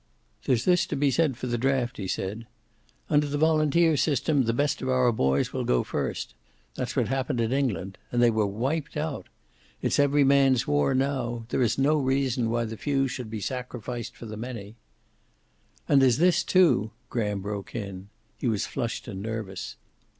"There's this to be said for the draft," he said. "Under the volunteer system the best of our boys will go first. That's what happened in England. And they were wiped out. It's every man's war now. There is no reason why the few should be sacrificed for the many." "And there's this, too," Graham broke in. He was flushed and nervous.